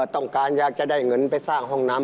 ต้องการอยากจะได้เงินไปสร้างห้องน้ำ